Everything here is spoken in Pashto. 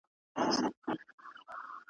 نه مي نظم سوای لیکلای نه مي توري سوای لوستلای `